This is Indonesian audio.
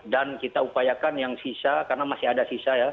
dan kita upayakan yang sisa karena masih ada sisa ya